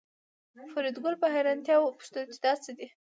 فریدګل په حیرانتیا وپوښتل چې دا څه دي